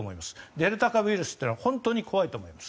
デルタ株ウイルスというのは本当に怖いと思います。